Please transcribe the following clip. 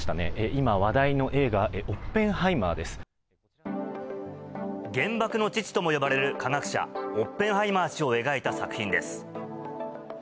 今話題の映画、原爆の父とも呼ばれる科学者、オッペンハイマー氏を描いた作品です。